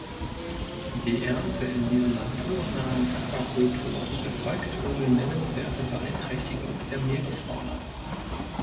Die Ernte in diesen naturnahen Aquakulturen erfolgt ohne nennenswerte Beeinträchtigung der Meeresfauna.